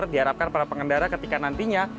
diharapkan para pengendara ketika nantinya